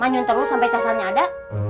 manyun terus sampai casannya ada